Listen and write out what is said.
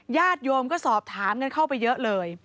ญาติโยมก็สอบถามกันเข้าไปเยอะเลย